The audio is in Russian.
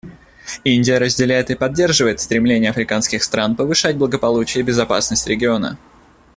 Индия разделяет и поддерживает стремление африканских стран повышать благополучие и безопасность региона.